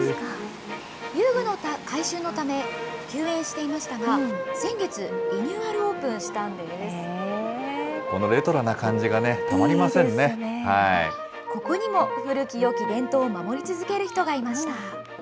遊具の改修のため休園していましたが、先月、リニューアルオープこのレトロな感じがね、たまここにも古きよき伝統を守り続ける人がいました。